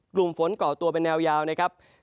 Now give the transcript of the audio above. กลุ่มฝนก่อตัวเป็นแนวยาวนะครับ